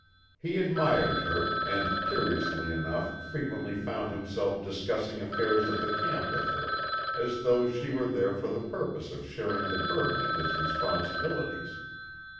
He admired her, and curiously enough frequently found himself discussing affairs of the camp with her as though she were there for the purpose of sharing the burden of his responsibilities.